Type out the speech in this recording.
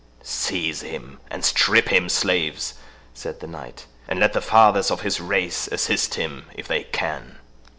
"Seize him and strip him, slaves," said the knight, "and let the fathers of his race assist him if they can."